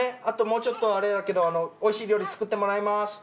あともうちょっとあれだけど美味しい料理作ってもらいます。